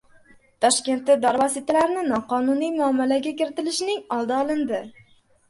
Toshkentda dori vositalarini noqonuniy muomalaga kiritilishining oldi olindi